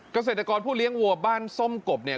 เกษตรกรผู้เลี้ยงวัวบ้านส้มกบเนี่ย